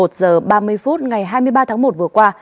một h ba mươi phút ngày hai mươi ba tháng một vừa qua